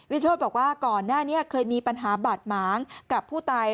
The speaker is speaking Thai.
โชธบอกว่าก่อนหน้านี้เคยมีปัญหาบาดหมางกับผู้ตาย